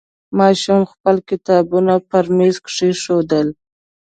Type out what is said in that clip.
ماشوم خپل کتابونه په میز کېښودل.